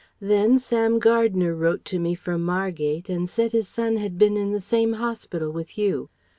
Then Sam Gardner wrote to me from Margate and said his son had been in the same hospital with you.